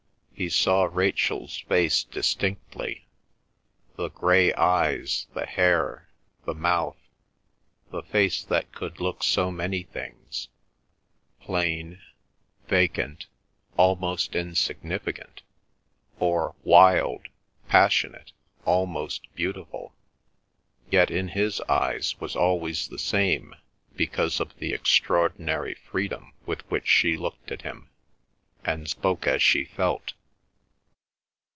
He saw Rachel's face distinctly, the grey eyes, the hair, the mouth; the face that could look so many things—plain, vacant, almost insignificant, or wild, passionate, almost beautiful, yet in his eyes was always the same because of the extraordinary freedom with which she looked at him, and spoke as she felt.